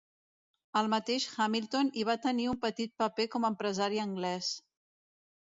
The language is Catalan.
El mateix Hamilton hi va tenir un petit paper com a empresari anglès.